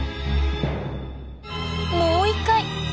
もう一回！